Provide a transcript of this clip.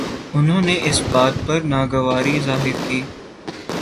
انہوں نے اس بات پر ناگواری ظاہر کی